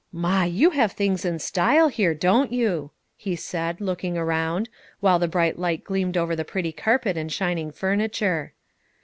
"My! you have things in style here, don't you?" he said, looking around, while the bright light gleamed over the pretty carpet and shining furniture.